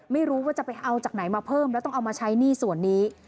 ไม่รู้ว่าจะไปเอาจากไหนมาเพิ่มแล้วต้องเอามาใช้หนี้ส่วนนี้